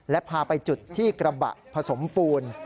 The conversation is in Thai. และพาไปจุดที่กระบะผสมปูน